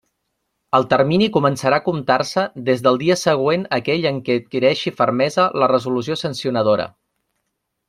El termini començarà a comptar-se des del dia següent a aquell en què adquirisca fermesa la resolució sancionadora.